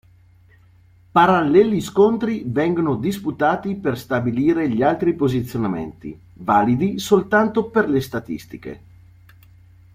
Paralleli scontri vengono disputati per stabilire gli altri posizionamenti, validi soltanto per le statistiche.